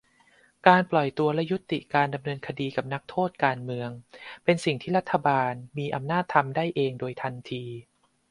การปล่อยตัวและยุติการดำเนินคดีกับนักโทษการเมือง เป็นสิ่งที่รัฐบาลมีอำนาจทำได้เองโดยทันที